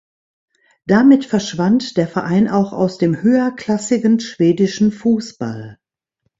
Damit verschwand der Verein auch aus dem höherklassigen schwedischen Fußball.